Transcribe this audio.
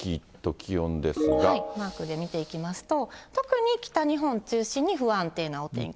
マークで見ていきますと、特に北日本中心に不安定なお天気。